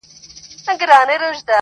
نه دچا خپل سوو نه پردي بس تر مطلبه پوري,